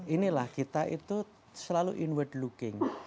inilah kita itu selalu inward looking